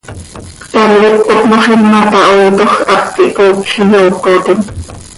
Ctam hipcop moxima tahoiitoj, hap quih coocj iyoocotim.